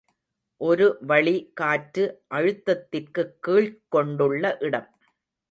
ஒரு வளி காற்று அழுத்தத்திற்குக் கீழ்க் கொண்டுள்ள இடம்.